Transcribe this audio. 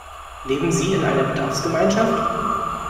Leben Sie in einer Bedarfsgemeinschaft?